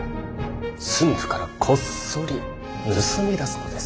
駿府からこっそり盗み出すのです。